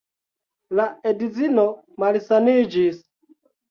La edzino malsaniĝis.